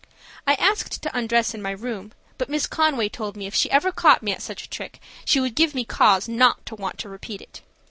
I asked to undress in my room, but Miss Conway told me if she ever caught me at such a trick she would give me cause not to want to repeat it.